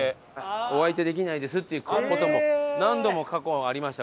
お相手できないですっていう事も何度も過去ありました